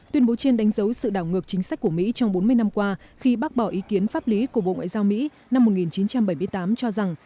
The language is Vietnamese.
tuyên bố trên đánh dấu sự đảo ngược chính sách của mỹ trong bốn mươi năm qua khi bác bỏ ý kiến pháp lý của bộ ngoại giao mỹ năm một nghìn chín trăm bảy mươi tám cho rằng